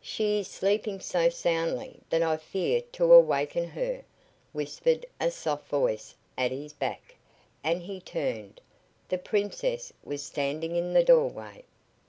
"She is sleeping so soundly that I fear to awaken her," whispered a soft voice at his back, and he turned.. The Princess was standing in the doorway.